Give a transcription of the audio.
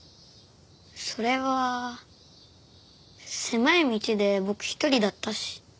それは狭い道で僕一人だったし。